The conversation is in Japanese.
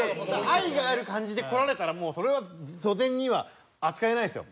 愛がある感じで来られたらもうそれはぞんざいには扱えないですよ。